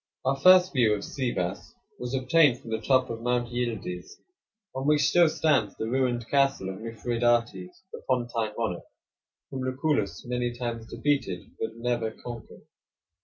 Our first view of Sivas was obtained from the top of Mount Yildiz, on which still stands the ruined castle of Mithridates, the Pontine monarch, whom Lucullus many times defeated, but never conquered.